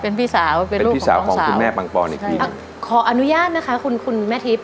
เป็นพี่สาวเป็นพี่สาวของคุณแม่ปังปอนอีกค่ะขออนุญาตนะคะคุณคุณแม่ทิพย